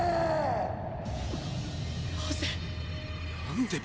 なぜ。